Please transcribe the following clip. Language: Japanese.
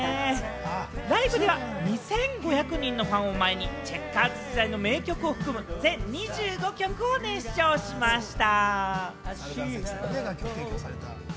ライブでは２５００人のファンを前にチェッカーズ時代の名曲を含む全２５曲を熱唱しました。